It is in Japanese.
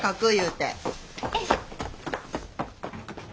えいしょ。